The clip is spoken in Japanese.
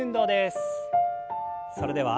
それでは。